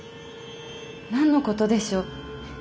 何のことでしょう。